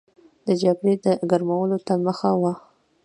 د جګړې د ګرمولو ته مخه وه.